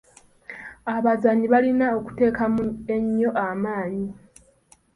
Abazannyi balina okuteekamu ennyo amaanyi.